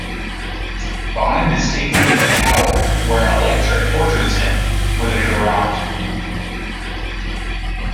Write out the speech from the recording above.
Bond is taken to the tower, where Elektra tortures him with a garrote.